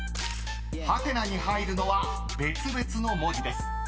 ［ハテナに入るのは別々の文字です］